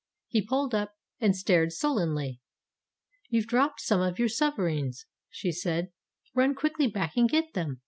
He pulled up and stared sul lenly. "You've dropped some of your sovereigns," she said. "Run quickly back and get them.